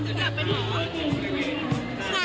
ก็จะมีการพิพากษ์ก่อนก็มีเอ็กซ์สุขก่อน